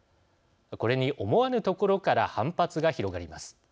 これに思わぬところから反発が広がります。